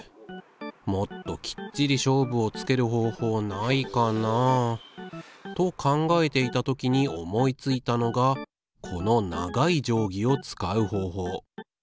もっときっちり勝負をつける方法ないかなあと考えていた時に思いついたのがこの長い定規を使う方法。